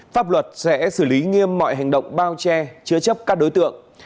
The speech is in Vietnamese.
pháp luật sẽ xử lý nghiêm mọi hành động bao che chứa chấp các đối tượng